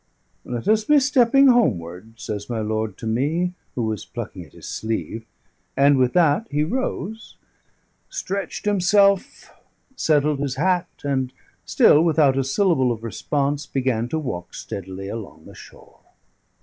"Let us be stepping homeward," says my lord to me, who was plucking at his sleeve; and with that he rose, stretched himself, settled his hat, and, still without a syllable of response, began to walk steadily along the shore.